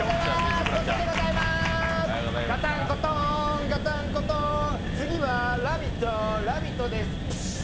ガタンゴトン、ガタンゴトン次は、「ラヴィット！」、「ラヴィット！」です。